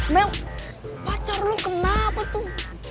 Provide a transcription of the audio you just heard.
mel pacar lo kenapa tuh